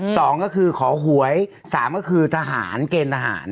สองก็คือขอหวยสามก็คือทหารเกณฑ์ทหาร